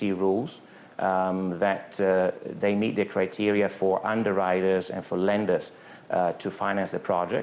mereka memenuhi kriteria untuk pengguna dan pengguna untuk memperlengkapi proyek